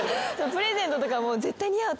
プレゼントとかも。